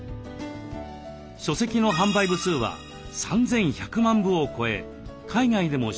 書籍の販売部数は３，１００万部を超え海外でも出版されています。